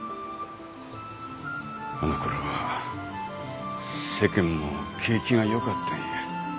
あの頃は世間も景気が良かったんや。